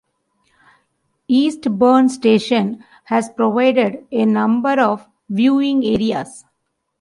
Eastburn Station has provided a number of viewing areas.